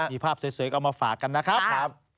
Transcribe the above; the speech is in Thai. มีภาพสวยเอามาฝากกันนะครับ